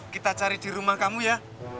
kita cari di rumah kamu ya